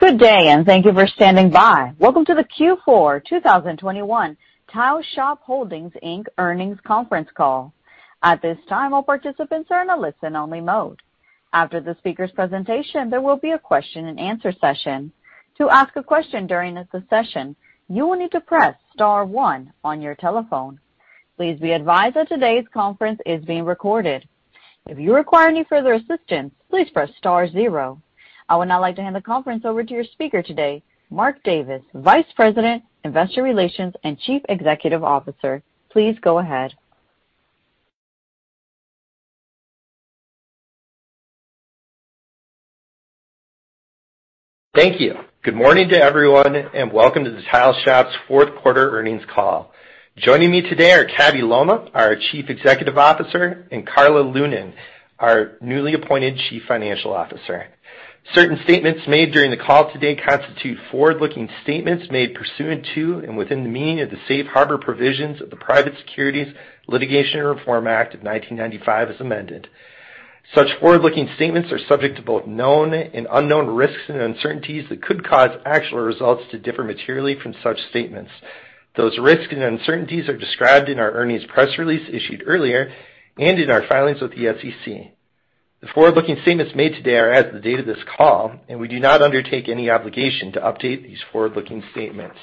Good day, and thank you for standing by. Welcome to the Q4 2021 Tile Shop Holdings, Inc Earnings Conference Call. At this time, all participants are in a listen-only mode. After the speaker's presentation, there will be a question-and-answer session. To ask a question during this session, you will need to press star one on your telephone. Please be advised that today's conference is being recorded. If you require any further assistance, please press star zero. I would now like to hand the conference over to your speaker today, Mark Davis, Vice President, Investor Relations and Chief Accounting Officer. Please go ahead. Thank you. Good morning to everyone, and welcome to The Tile Shop's fourth quarter earnings call. Joining me today are Cabby Lolmaugh, our Chief Executive Officer, and Karla Lunan, our newly appointed Chief Financial Officer. Certain statements made during the call today constitute forward-looking statements made pursuant to and within the meaning of the Safe Harbor provisions of the Private Securities Litigation Reform Act of 1995 as amended. Such forward-looking statements are subject to both known and unknown risks and uncertainties that could cause actual results to differ materially from such statements. Those risks and uncertainties are described in our earnings press release issued earlier and in our filings with the SEC. The forward-looking statements made today are as of the date of this call, and we do not undertake any obligation to update these forward-looking statements.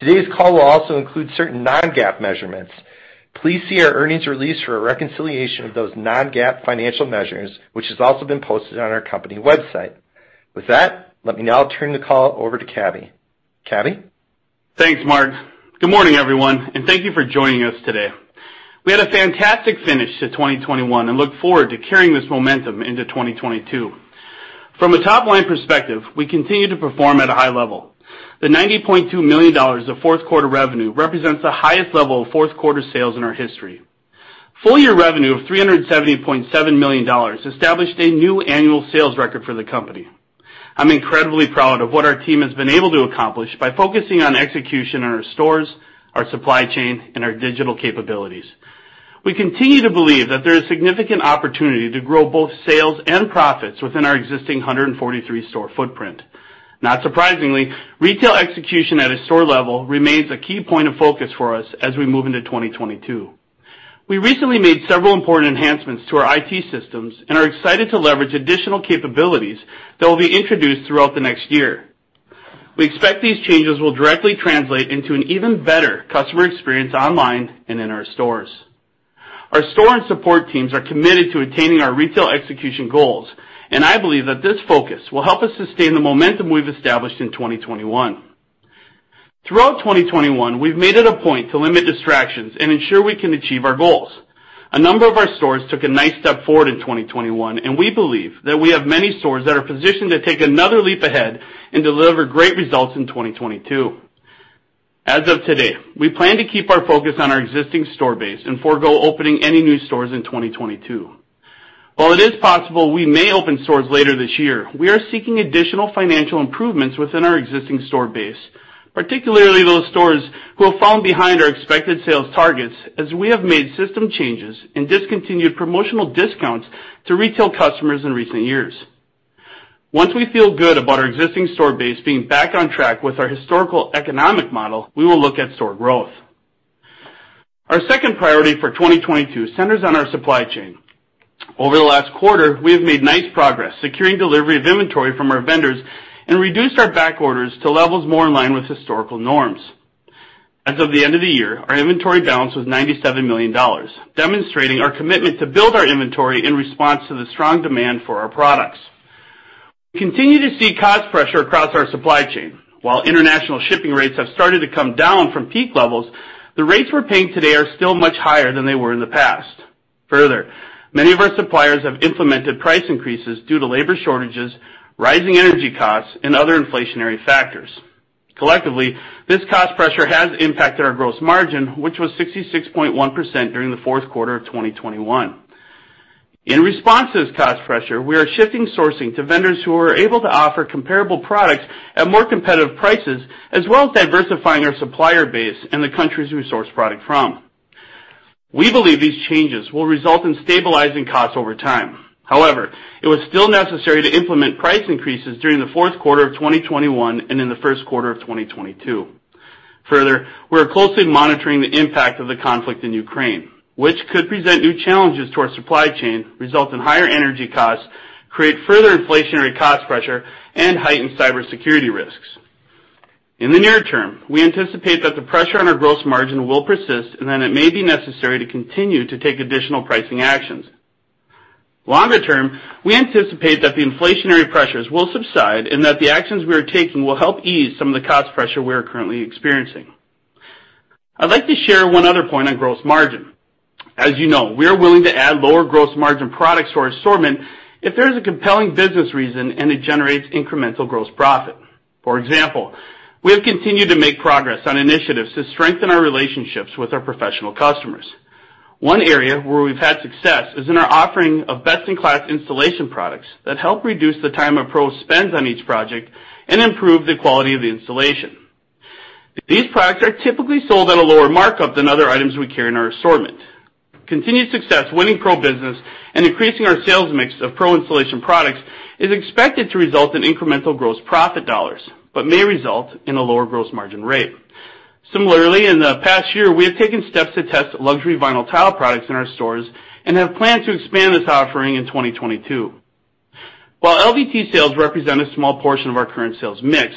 Today's call will also include certain non-GAAP measurements. Please see our earnings release for a reconciliation of those non-GAAP financial measures, which has also been posted on our company website. With that, let me now turn the call over to Cabby. Cabby? Thanks, Mark. Good morning, everyone, and thank you for joining us today. We had a fantastic finish to 2021 and look forward to carrying this momentum into 2022. From a top-line perspective, we continue to perform at a high level. The $90.2 million of fourth quarter revenue represents the highest level of fourth quarter sales in our history. Full year revenue of $370.7 million established a new annual sales record for the company. I'm incredibly proud of what our team has been able to accomplish by focusing on execution in our stores, our supply chain, and our digital capabilities. We continue to believe that there is significant opportunity to grow both sales and profits within our existing 143 store footprint. Not surprisingly, retail execution at a store level remains a key point of focus for us as we move into 2022. We recently made several important enhancements to our IT systems and are excited to leverage additional capabilities that will be introduced throughout the next year. We expect these changes will directly translate into an even better customer experience online and in our stores. Our store and support teams are committed to attaining our retail execution goals, and I believe that this focus will help us sustain the momentum we've established in 2021. Throughout 2021, we've made it a point to limit distractions and ensure we can achieve our goals. A number of our stores took a nice step forward in 2021, and we believe that we have many stores that are positioned to take another leap ahead and deliver great results in 2022. As of today, we plan to keep our focus on our existing store base and forego opening any new stores in 2022. While it is possible we may open stores later this year, we are seeking additional financial improvements within our existing store base, particularly those stores who have fallen behind our expected sales targets as we have made system changes and discontinued promotional discounts to retail customers in recent years. Once we feel good about our existing store base being back on track with our historical economic model, we will look at store growth. Our second priority for 2022 centers on our supply chain. Over the last quarter, we have made nice progress securing delivery of inventory from our vendors and reduced our back orders to levels more in line with historical norms. As of the end of the year, our inventory balance was $97 million, demonstrating our commitment to build our inventory in response to the strong demand for our products. We continue to see cost pressure across our supply chain. While international shipping rates have started to come down from peak levels, the rates we're paying today are still much higher than they were in the past. Further, many of our suppliers have implemented price increases due to labor shortages, rising energy costs, and other inflationary factors. Collectively, this cost pressure has impacted our gross margin, which was 66.1% during the fourth quarter of 2021. In response to this cost pressure, we are shifting sourcing to vendors who are able to offer comparable products at more competitive prices, as well as diversifying our supplier base and the countries we source product from. We believe these changes will result in stabilizing costs over time. However, it was still necessary to implement price increases during the fourth quarter of 2021 and in the first quarter of 2022. Further, we are closely monitoring the impact of the conflict in Ukraine, which could present new challenges to our supply chain, result in higher energy costs, create further inflationary cost pressure, and heighten cybersecurity risks. In the near term, we anticipate that the pressure on our gross margin will persist and that it may be necessary to continue to take additional pricing actions. Longer term, we anticipate that the inflationary pressures will subside and that the actions we are taking will help ease some of the cost pressure we are currently experiencing. I'd like to share one other point on gross margin. As you know, we are willing to add lower gross margin products to our assortment if there is a compelling business reason and it generates incremental gross profit. For example, we have continued to make progress on initiatives to strengthen our relationships with our professional customers. One area where we've had success is in our offering of best-in-class installation products that help reduce the time a pro spends on each project and improve the quality of the installation. These products are typically sold at a lower markup than other items we carry in our assortment. Continued success winning pro business and increasing our sales mix of pro installation products is expected to result in incremental gross profit dollars, but may result in a lower gross margin rate. Similarly, in the past year, we have taken steps to test luxury vinyl tile products in our stores and have planned to expand this offering in 2022. While LVT sales represent a small portion of our current sales mix,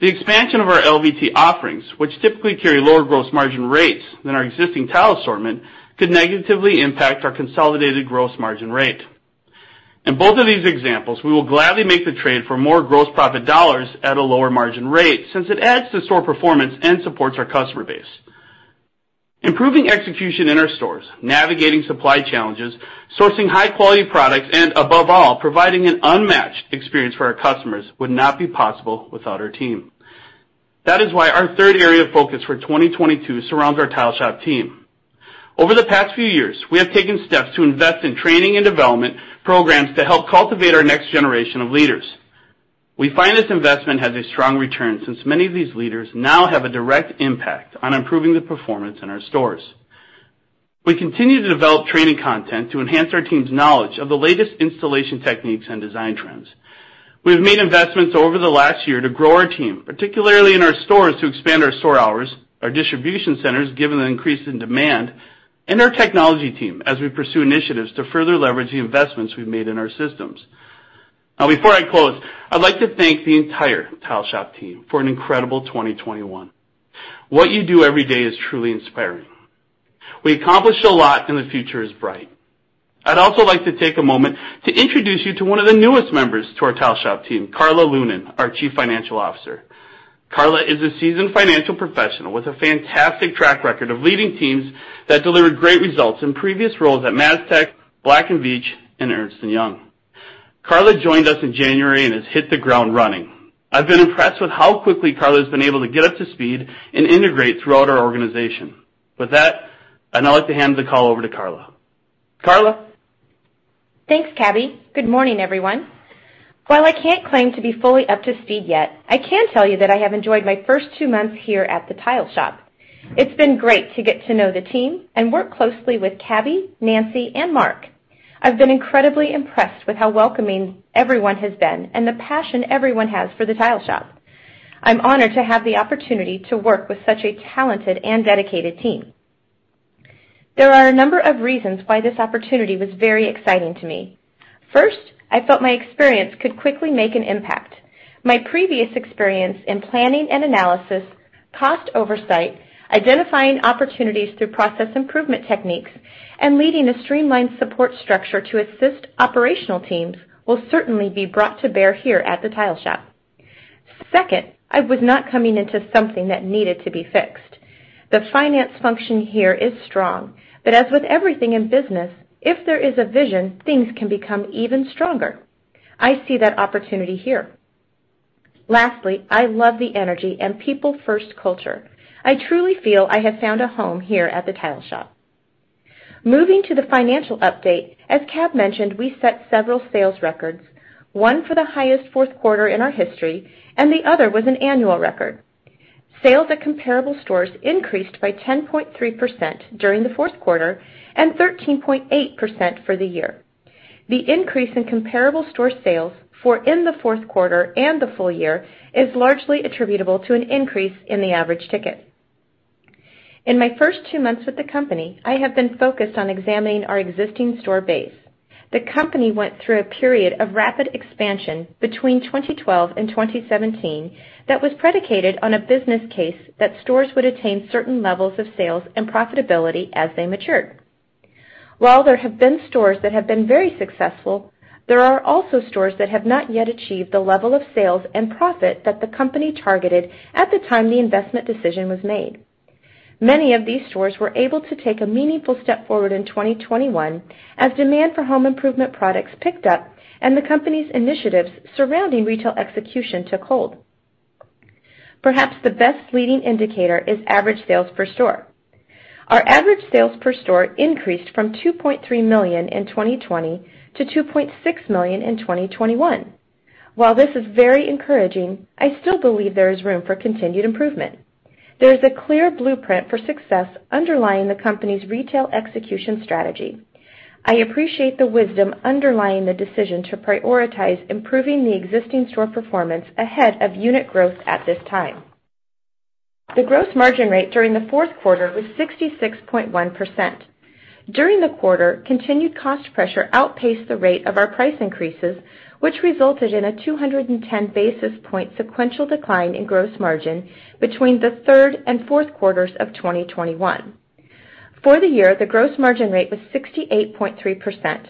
the expansion of our LVT offerings, which typically carry lower gross margin rates than our existing tile assortment, could negatively impact our consolidated gross margin rate. In both of these examples, we will gladly make the trade for more gross profit dollars at a lower margin rate, since it adds to store performance and supports our customer base. Improving execution in our stores, navigating supply challenges, sourcing high quality products, and above all, providing an unmatched experience for our customers, would not be possible without our team. That is why our third area of focus for 2022 surrounds our Tile Shop team. Over the past few years, we have taken steps to invest in training and development programs to help cultivate our next generation of leaders. We find this investment has a strong return since many of these leaders now have a direct impact on improving the performance in our stores. We continue to develop training content to enhance our team's knowledge of the latest installation techniques and design trends. We have made investments over the last year to grow our team, particularly in our stores to expand our store hours, our distribution centers, given the increase in demand, and our technology team as we pursue initiatives to further leverage the investments we've made in our systems. Now, before I close, I'd like to thank the entire Tile Shop team for an incredible 2021. What you do every day is truly inspiring. We accomplished a lot and the future is bright. I'd also like to take a moment to introduce you to one of the newest members to our Tile Shop team, Karla Lunan, our Chief Financial Officer. Karla is a seasoned financial professional with a fantastic track record of leading teams that delivered great results in previous roles at MasTec, Black & Veatch, and Ernst & Young. Karla joined us in January and has hit the ground running. I've been impressed with how quickly Karla has been able to get up to speed and integrate throughout our organization. With that, I'd now like to hand the call over to Karla. Karla? Thanks, Cabby. Good morning, everyone. While I can't claim to be fully up to speed yet, I can tell you that I have enjoyed my first two months here at The Tile Shop. It's been great to get to know the team and work closely with Cabby, Nancy, and Mark. I've been incredibly impressed with how welcoming everyone has been and the passion everyone has for The Tile Shop. I'm honored to have the opportunity to work with such a talented and dedicated team. There are a number of reasons why this opportunity was very exciting to me. First, I felt my experience could quickly make an impact. My previous experience in planning and analysis, cost oversight, identifying opportunities through process improvement techniques, and leading a streamlined support structure to assist operational teams will certainly be brought to bear here at The Tile Shop. Second, I was not coming into something that needed to be fixed. The finance function here is strong, but as with everything in business, if there is a vision, things can become even stronger. I see that opportunity here. Lastly, I love the energy and people first culture. I truly feel I have found a home here at the Tile Shop. Moving to the financial update, as Cab mentioned, we set several sales records, one for the highest fourth quarter in our history, and the other was an annual record. Sales at comparable stores increased by 10.3% during the fourth quarter and 13.8% for the year. The increase in comparable store sales for the fourth quarter and the full year is largely attributable to an increase in the average ticket. In my first two months with the company, I have been focused on examining our existing store base. The company went through a period of rapid expansion between 2012 and 2017 that was predicated on a business case that stores would attain certain levels of sales and profitability as they matured. While there have been stores that have been very successful, there are also stores that have not yet achieved the level of sales and profit that the company targeted at the time the investment decision was made. Many of these stores were able to take a meaningful step forward in 2021 as demand for home improvement products picked up and the company's initiatives surrounding retail execution took hold. Perhaps the best leading indicator is average sales per store. Our average sales per store increased from $2.3 million in 2020 to $2.6 million in 2021. While this is very encouraging, I still believe there is room for continued improvement. There is a clear blueprint for success underlying the company's retail execution strategy. I appreciate the wisdom underlying the decision to prioritize improving the existing store performance ahead of unit growth at this time. The gross margin rate during the fourth quarter was 66.1%. During the quarter, continued cost pressure outpaced the rate of our price increases, which resulted in a 210 basis point sequential decline in gross margin between the third and fourth quarters of 2021. For the year, the gross margin rate was 68.3%.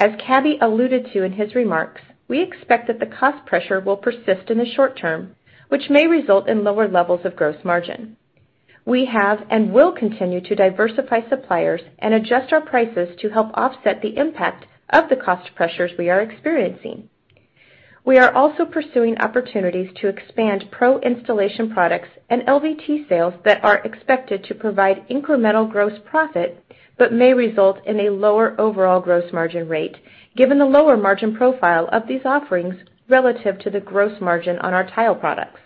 As Cabby alluded to in his remarks, we expect that the cost pressure will persist in the short term, which may result in lower levels of gross margin. We have and will continue to diversify suppliers and adjust our prices to help offset the impact of the cost pressures we are experiencing. We are also pursuing opportunities to expand pro installation products and LVT sales that are expected to provide incremental gross profit, but may result in a lower overall gross margin rate given the lower margin profile of these offerings relative to the gross margin on our tile products.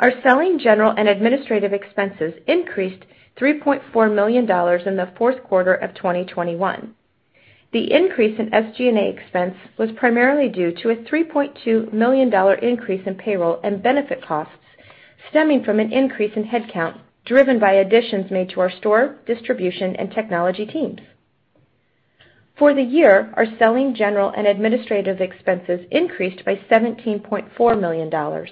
Our Selling, General, and Administrative expenses increased $3.4 million in the fourth quarter of 2021. The increase in SG&A expense was primarily due to a $3.2 million increase in payroll and benefit costs stemming from an increase in headcount, driven by additions made to our store, distribution, and technology teams. For the year, our selling general and administrative expenses increased by $17.4 million.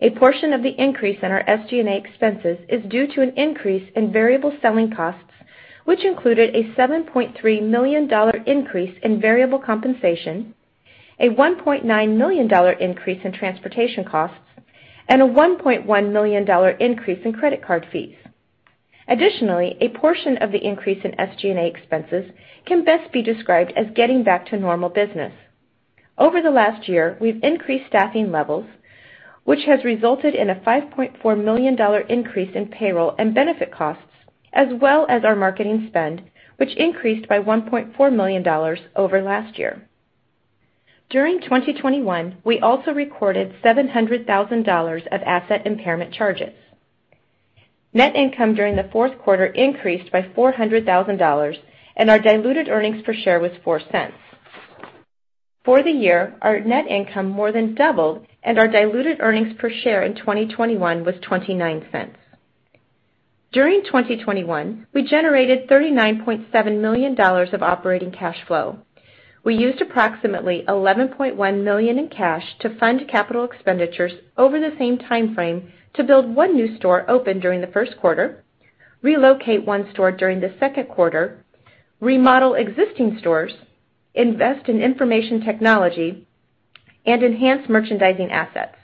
A portion of the increase in our SG&A expenses is due to an increase in variable selling costs, which included a $7.3 million increase in variable compensation, a $1.9 million increase in transportation costs, and a $1.1 million increase in credit card fees. Additionally, a portion of the increase in SG&A expenses can best be described as getting back to normal business. Over the last year, we've increased staffing levels, which has resulted in a $5.4 million increase in payroll and benefit costs, as well as our marketing spend, which increased by $1.4 million over last year. During 2021, we also recorded $700,000 of asset impairment charges. Net income during the fourth quarter increased by $400,000, and our diluted earnings per share was $0.04. For the year, our net income more than doubled, and our diluted earnings per share in 2021 was $0.29. During 2021, we generated $39.7 million of operating cash flow. We used approximately $11.1 million in cash to fund capital expenditures over the same time frame to build one new store open during the first quarter, relocate one store during the second quarter, remodel existing stores, invest in information technology, and enhance merchandising assets.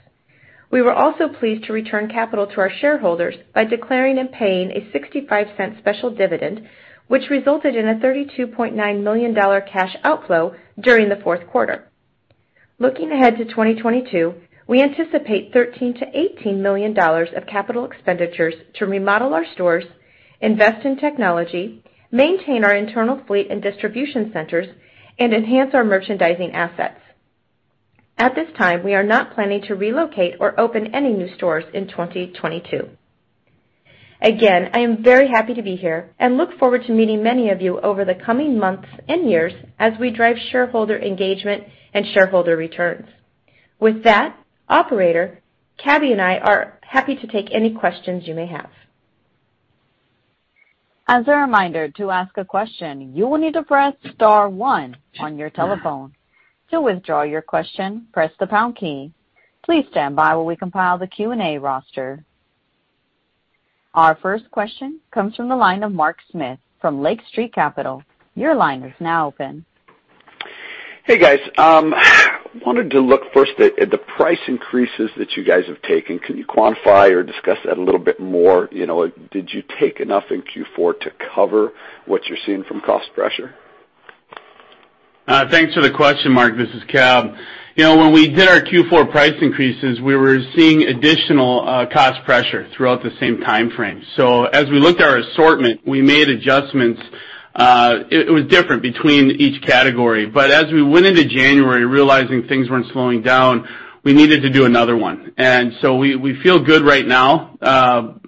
We were also pleased to return capital to our shareholders by declaring and paying a $0.65 special dividend, which resulted in a $32.9 million cash outflow during the fourth quarter. Looking ahead to 2022, we anticipate $13 million-$18 million of capital expenditures to remodel our stores, invest in technology, maintain our internal fleet and distribution centers, and enhance our merchandising assets. At this time, we are not planning to relocate or open any new stores in 2022. Again, I am very happy to be here and look forward to meeting many of you over the coming months and years as we drive shareholder engagement and shareholder returns. With that, operator, Cabby and I are happy to take any questions you may have. As a reminder, to ask a question, you will need to press star one on your telephone. To withdraw your question, press the pound key. Please stand by while we compile the Q&A roster. Our first question comes from the line of Mark Smith from Lake Street Capital Markets. Your line is now open. Hey, guys. Wanted to look first at the price increases that you guys have taken. Can you quantify or discuss that a little bit more? You know, did you take enough in Q4 to cover what you're seeing from cost pressure? Thanks for the question, Mark. This is Cab. You know, when we did our Q4 price increases, we were seeing additional cost pressure throughout the same time frame. As we looked at our assortment, we made adjustments. It was different between each category. As we went into January realizing things weren't slowing down, we needed to do another one. We feel good right now.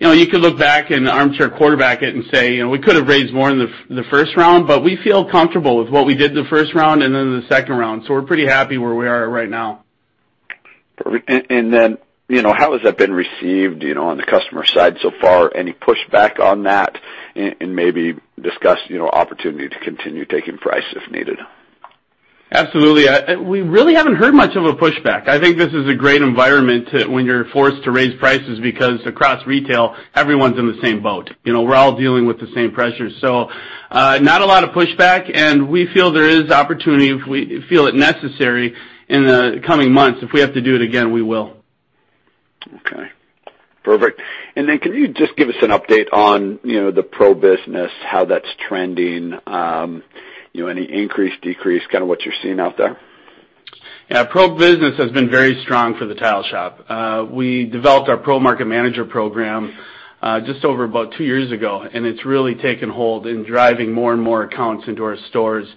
You know, you could look back and armchair quarterback it and say, you know, we could have raised more in the first round, but we feel comfortable with what we did in the first round and then in the second round. We're pretty happy where we are right now. Perfect. You know, how has that been received, you know, on the customer side so far? Any pushback on that? Maybe discuss, you know, opportunity to continue taking price if needed. Absolutely. We really haven't heard much of a pushback. I think this is a great environment to when you're forced to raise prices because across retail, everyone's in the same boat. You know, we're all dealing with the same pressures. Not a lot of pushback, and we feel there is opportunity if we feel it necessary in the coming months. If we have to do it again, we will. Okay, perfect. Can you just give us an update on, you know, the pro business, how that's trending, you know, any increase, decrease, kinda what you're seeing out there? Yeah. Pro business has been very strong for The Tile Shop. We developed our Pro Market Manager program just over about 2 years ago, and it's really taken hold in driving more and more accounts into our stores.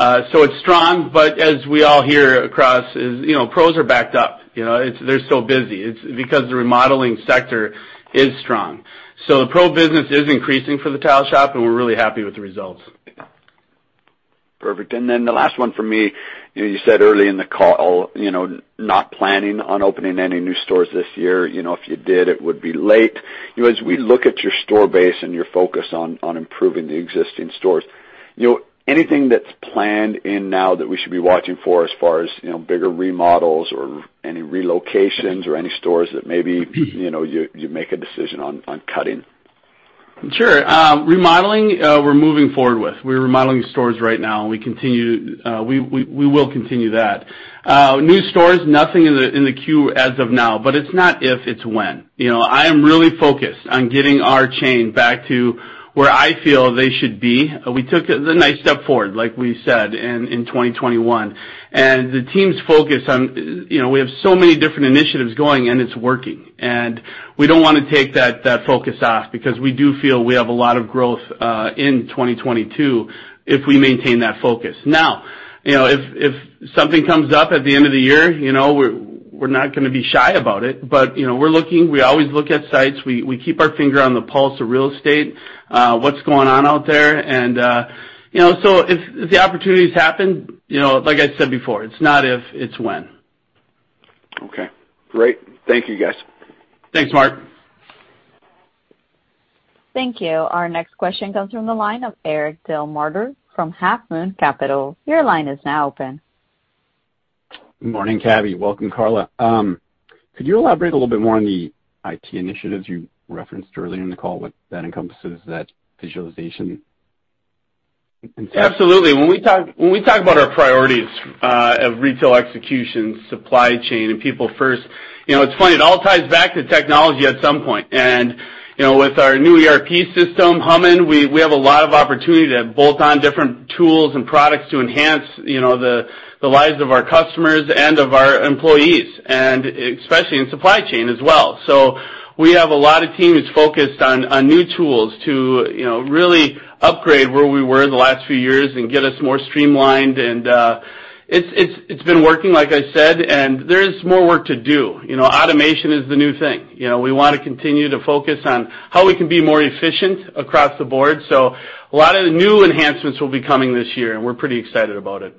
It's strong, but as we all hear across the board, you know, pros are backed up. You know? They're so busy. It's because the remodeling sector is strong. The pro business is increasing for The Tile Shop, and we're really happy with the results. Perfect. The last one for me, you know, you said early in the call, you know, not planning on opening any new stores this year. You know, if you did, it would be late. You know, as we look at your store base and your focus on improving the existing stores, you know, anything that's planned in now that we should be watching for as far as, you know, bigger remodels or any relocations or any stores that maybe, you know, you make a decision on cutting? Sure. We're moving forward with remodeling stores right now, and we will continue that. New stores, nothing in the queue as of now, but it's not if, it's when. You know, I am really focused on getting our chain back to where I feel they should be. We took a nice step forward, like we said, in 2021. The team's focused on, you know, we have so many different initiatives going, and it's working. We don't wanna take that focus off because we do feel we have a lot of growth in 2022 if we maintain that focus. Now, you know, if something comes up at the end of the year, you know, we're not gonna be shy about it. You know, we're looking. We always look at sites. We keep our finger on the pulse of real estate, what's going on out there. You know, if the opportunities happen, you know, like I said before, it's not if, it's when. Okay, great. Thank you, guys. Thanks, Mark. Thank you. Our next question comes from the line of Eric Delamarter from Half Moon Capital. Your line is now open. Good morning, Cabby. Welcome, Carla. Could you elaborate a little bit more on the IT initiatives you referenced earlier in the call, what that encompasses, that visualization and. Absolutely. When we talk about our priorities of retail execution, supply chain, and people first, you know, it's funny, it all ties back to technology at some point. You know, with our new ERP system humming, we have a lot of opportunity to bolt on different tools and products to enhance, you know, the lives of our customers and of our employees, and especially in supply chain as well. We have a lot of teams focused on new tools to, you know, really upgrade where we were in the last few years and get us more streamlined and it's been working, like I said, and there is more work to do. You know, automation is the new thing. You know, we wanna continue to focus on how we can be more efficient across the board. A lot of the new enhancements will be coming this year, and we're pretty excited about it.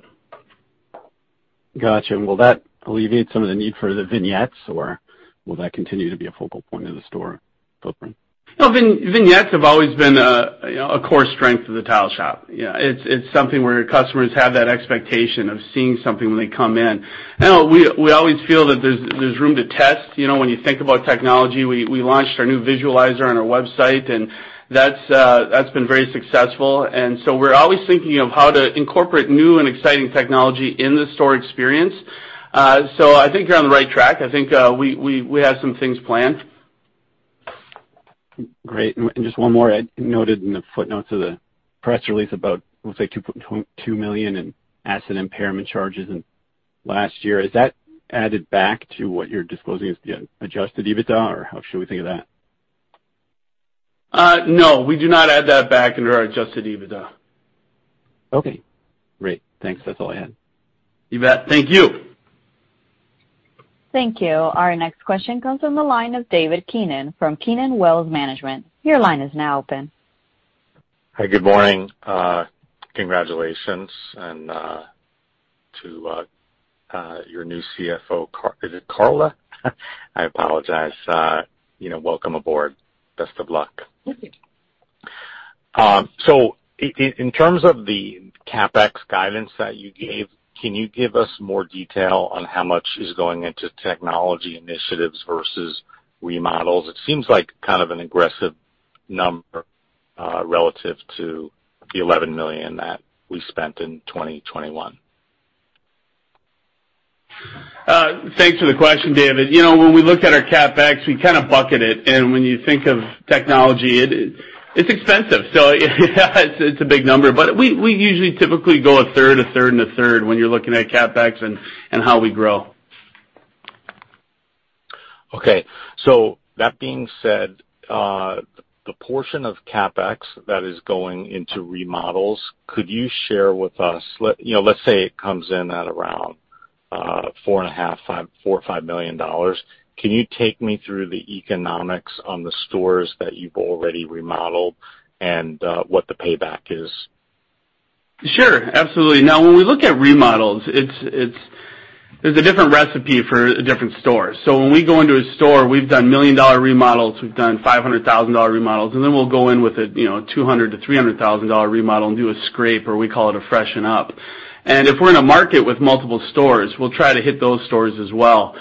Gotcha. Will that alleviate some of the need for the vignettes, or will that continue to be a focal point of the store footprint? Vignettes have always been a, you know, a core strength of The Tile Shop. You know, it's something where customers have that expectation of seeing something when they come in. You know, we always feel that there's room to test. You know, when you think about technology, we launched our new visualizer on our website, and that's been very successful. We're always thinking of how to incorporate new and exciting technology in the store experience. I think you're on the right track. I think we have some things planned. Great. Just one more. I noted in the footnotes of the press release about, let's say, $2 million in asset impairment charges in last year. Is that added back to what you're disclosing as the adjusted EBITDA, or how should we think of that? No, we do not add that back into our adjusted EBITDA. Okay, great. Thanks. That's all I had. You bet. Thank you. Thank you. Our next question comes from the line of David Keenan from Keenan Wealth Management. Your line is now open. Hi, good morning. Congratulations to your new CFO. Is it Karla? I apologize. You know, welcome aboard. Best of luck. Thank you. In terms of the CapEx guidance that you gave, can you give us more detail on how much is going into technology initiatives versus remodels? It seems like kind of an aggressive number, relative to the $11 million that we spent in 2021. Thanks for the question, David. You know, when we look at our CapEx, we kinda bucket it. When you think of technology, it's expensive, so it's a big number. We usually typically go a third, a third, and a third when you're looking at CapEx and how we grow. Okay. That being said, the portion of CapEx that is going into remodels, could you share with us, you know, let's say it comes in at around $4-$5 million, can you take me through the economics on the stores that you've already remodeled and what the payback is? Sure. Absolutely. Now, when we look at remodels, it's. There's a different recipe for a different store. When we go into a store, we've done $1 million remodels, we've done $500,000 remodels, and then we'll go in with a, you know, $200,000-$300,000 remodel and do a scrape, or we call it a freshen up. If we're in a market with multiple stores, we'll try to hit those stores as well.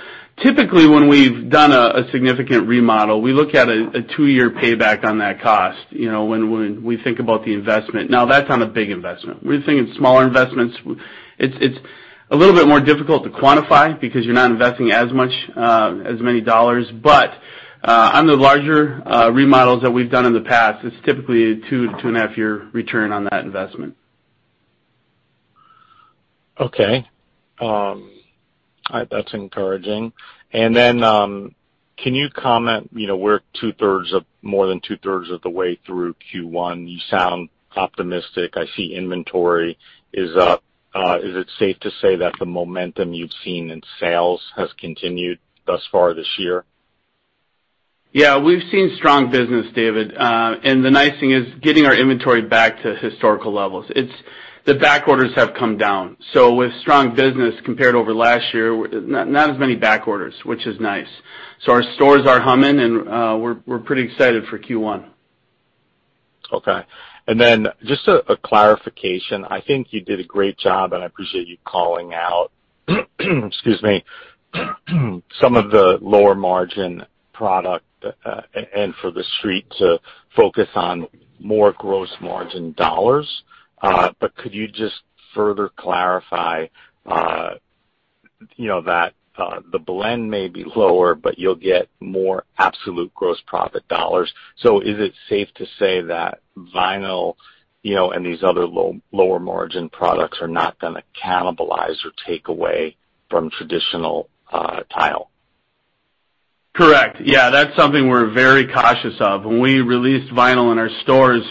Typically, when we've done a significant remodel, we look at a two-year payback on that cost, you know, when we think about the investment. Now, that's on a big investment. When you're thinking smaller investments, it's a little bit more difficult to quantify because you're not investing as much as many dollars. On the larger remodels that we've done in the past, it's typically a two to two and a half-year return on that investment. Okay. That's encouraging. Can you comment, you know, we're more than two-thirds of the way through Q1. You sound optimistic. I see inventory is up. Is it safe to say that the momentum you've seen in sales has continued thus far this year? Yeah, we've seen strong business, David. The nice thing is getting our inventory back to historical levels. It's the back orders have come down, so with strong business compared over last year, not as many back orders, which is nice. Our stores are humming and we're pretty excited for Q1. Okay. Just a clarification. I think you did a great job, and I appreciate you calling out, excuse me, some of the lower margin product and for the Street to focus on more gross margin dollars. But could you just further clarify, you know, that the blend may be lower, but you'll get more absolute gross profit dollars. Is it safe to say that vinyl, you know, and these other lower margin products are not gonna cannibalize or take away from traditional tile? Correct. Yeah, that's something we're very cautious of. When we released vinyl in our stores,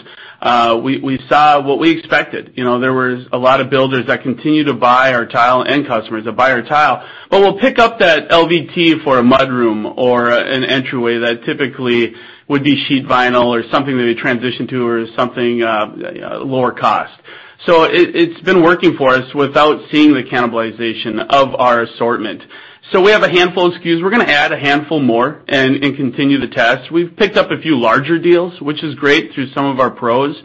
we saw what we expected. You know, there was a lot of builders that continue to buy our tile and customers that buy our tile, but we'll pick up that LVT for a mudroom or an entryway that typically would be sheet vinyl or something that we transition to or something lower cost. It's been working for us without seeing the cannibalization of our assortment. We have a handful of SKUs. We're gonna add a handful more and continue the test. We've picked up a few larger deals, which is great, through some of our pros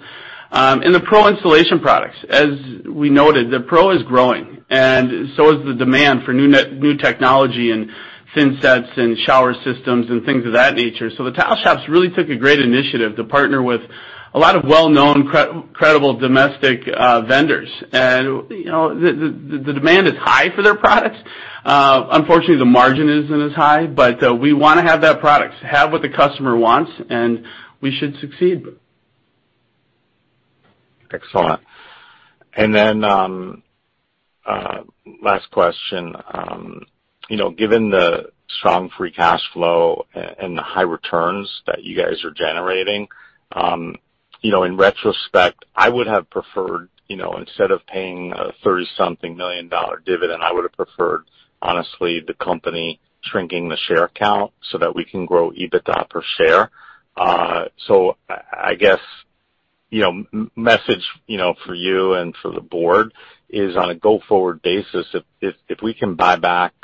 and the pro installation products. As we noted, the pro is growing, and so is the demand for new technology and thin sets and shower systems and things of that nature. The Tile Shop's really took a great initiative to partner with a lot of well-known credible domestic vendors. You know, the demand is high for their products. Unfortunately, the margin isn't as high, but we wanna have that product, have what the customer wants, and we should succeed. Excellent. Last question. You know, given the strong free cash flow and the high returns that you guys are generating, you know, in retrospect, I would have preferred, you know, instead of paying a $30-something million dividend, I would have preferred, honestly, the company shrinking the share count so that we can grow EBITDA per share. I guess, you know, message, you know, for you and for the board is on a go-forward basis, if we can buy back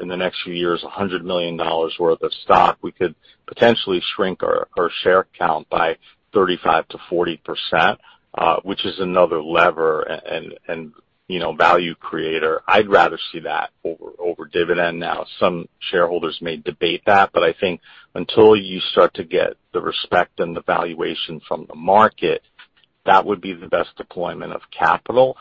in the next few years $100 million worth of stock, we could potentially shrink our share count by 35%-40%, which is another lever and, you know, value creator. I'd rather see that over dividend. Now, some shareholders may debate that, but I think until you start to get the respect and the valuation from the market, that would be the best deployment of capital.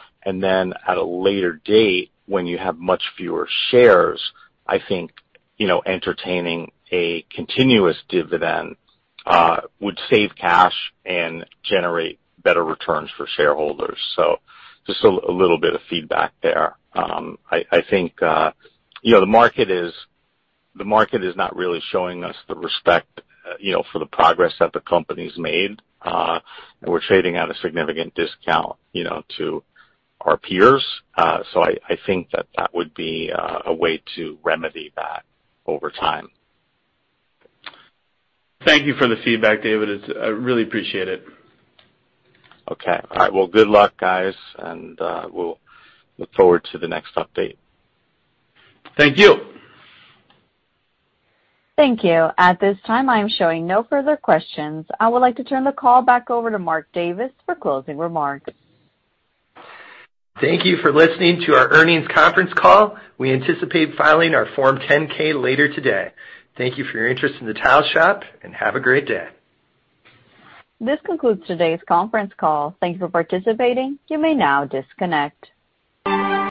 When you have much fewer shares, I think, you know, entertaining a continuous dividend would save cash and generate better returns for shareholders. Just a little bit of feedback there. I think, you know, the market is not really showing us the respect, you know, for the progress that the company's made, and we're trading at a significant discount, you know, to our peers. I think that would be a way to remedy that over time. Thank you for the feedback, David. I really appreciate it. Okay. All right. Well, good luck, guys, and we'll look forward to the next update. Thank you. Thank you. At this time, I am showing no further questions. I would like to turn the call back over to Mark Davis for closing remarks. Thank you for listening to our earnings conference call. We anticipate filing our Form 10-K later today. Thank you for your interest in The Tile Shop, and have a great day. This concludes today's conference call. Thank you for participating. You may now disconnect.